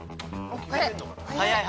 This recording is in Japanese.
早い！